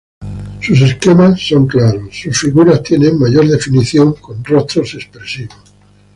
Sus esquema son claros, sus figuras tienen mayor definición, con rostros expresivos.